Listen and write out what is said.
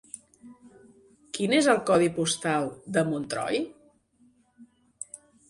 Quin és el codi postal de Montroi?